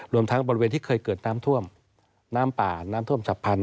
รวมทั้งบริเวณที่เคยเกิดน้ำท่วมน้ำป่าน้ำท่วมฉับพันธ